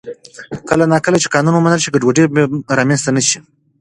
کله نا کله چې قانون ومنل شي، ګډوډي به رامنځته نه شي.